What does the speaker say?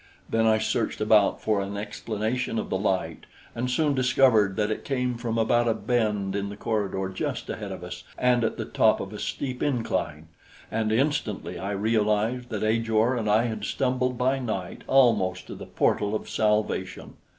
Then I searched about for an explanation of the light, and soon discovered that it came from about a bend in the corridor just ahead of us and at the top of a steep incline; and instantly I realized that Ajor and I had stumbled by night almost to the portal of salvation.